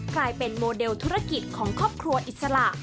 กลายเป็นโมเดลธุรกิจของครอบครัวอิสระ